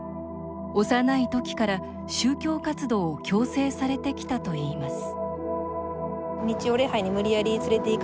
幼いときから宗教活動を強制されてきたといいます